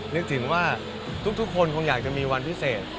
นึกถึงว่าทุกคนคงอยากจะมีวันพิเศษ